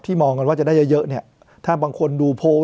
มองกันว่าจะได้เยอะเยอะเนี่ยถ้าบางคนดูโพล